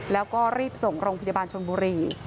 แล้วก็รีบส่งโรงพยาบาลชนบุรี